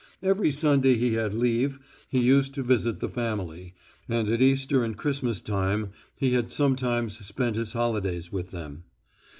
Every Sunday he had leave he used to visit the family, and at Easter and Christmas time he had sometimes spent his holidays with them.